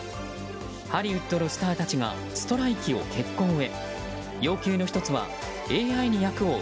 ハリウッドのスターたちがストライキを決行へ。